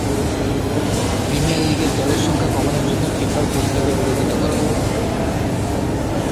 Premier league দলের সংখ্যা কমানোর জন্য ফিফার প্রস্তাবের বিরোধিতা করে।